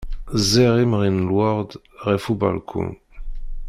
Ẓẓiɣ imɣi n lwerd ɣef ubalkun.